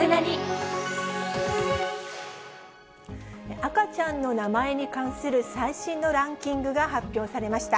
赤ちゃんの名前に関する最新のランキングが発表されました。